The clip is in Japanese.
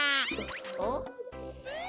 おっ？